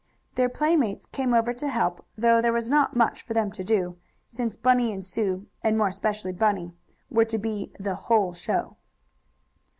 Their playmates came over to help, though there was not much for them to do, since Bunny and Sue (and more especially Bunny) were to be the "whole show."